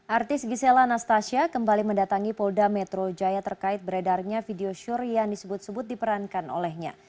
artis gisela anastasia kembali mendatangi polda metro jaya terkait beredarnya video syur yang disebut sebut diperankan olehnya